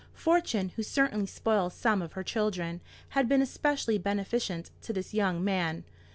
Fortune, who certainly spoils some of her children, had been especially beneficent to this young man.